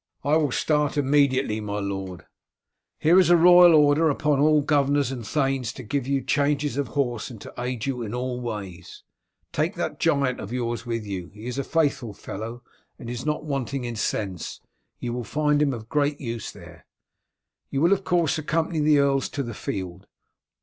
"I will start immediately, my lord." "Here is a royal order upon all governors and thanes to give you changes of horses and to aid you in all ways. Take that giant of yours with you, he is a faithful fellow and is not wanting in sense; you will find him of great use there. You will, of course, accompany the earls to the field.